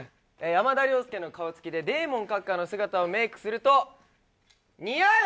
山田涼介の顔つきでデーモン閣下の姿をメイクすると似合う！